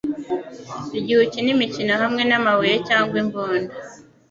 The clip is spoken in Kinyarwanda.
igihe ukina imikino hamwe namabuye cyangwa imbunda